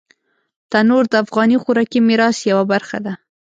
تنور د افغاني خوراکي میراث یوه برخه ده